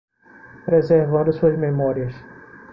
Preservando suas memórias